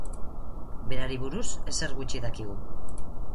Berari buruz ezer gutxi dakigu.